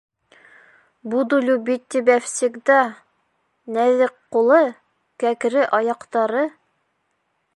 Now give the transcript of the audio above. Буду любить тебя всегда, Нәҙек ҡулы, кәкре аяҡтары...